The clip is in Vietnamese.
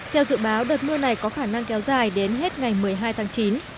theo dự báo đợt mưa này có khả năng kéo dài đến hết ngày một mươi hai tháng chín